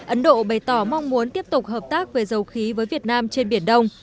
ấn độ bày tỏ mong muốn tiếp tục hợp tác về dầu khí với việt nam trên biển đông